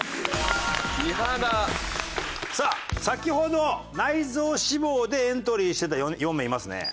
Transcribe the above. さあ先ほど内臓脂肪でエントリーしてた４名いますね。